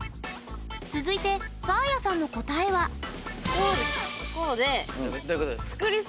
続いてサーヤさんの答えはこうです。